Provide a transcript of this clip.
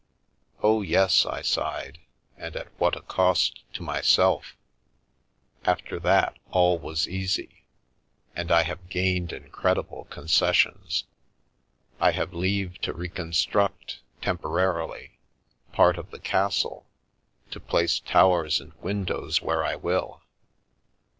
' Oh, yes/ I sighed, ' and at what a cost to myself !' After that, all was easy, and I have gained incredible concessions. I have leave to reconstruct, temporarily, part of the castle, to place towers and win dows where I will!